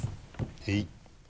へい。